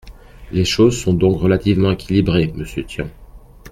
Les choses sont donc relativement équilibrées, monsieur Tian.